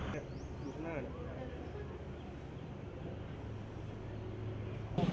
สวัสดีทุกคน